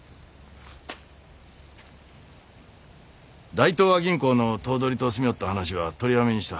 大東亜銀行の頭取と進みょおった話は取りやめにした。